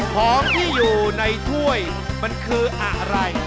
ของที่อยู่ในถ้วยมันคืออะไร